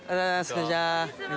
こんちは。